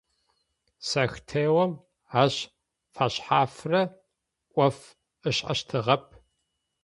Сэхтеом ащ фэшъхьафрэ ӏоф ышӏэщтыгъэп.